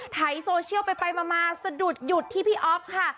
ไถโซเชียลไปมาสะดุดหยุดที่พี่อ๊อฟค่ะ